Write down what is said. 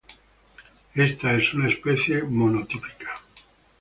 Esta es una especie monotípica.